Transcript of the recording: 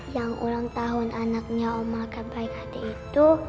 yang ulang tahun anaknya omar kebaik hati itu